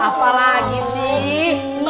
apa lagi sih